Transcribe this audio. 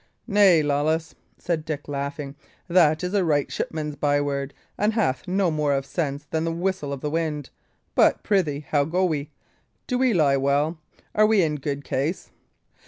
"Nay, Lawless," said Dick, laughing, "that is a right shipman's byword, and hath no more of sense than the whistle of the wind. But, prithee, how go we? Do we lie well? Are we in good case?"